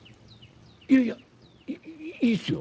「いやいやいいっすよ」。